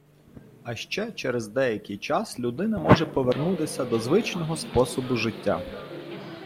А ще через деякий час людина може повернутися до звичного способу життя.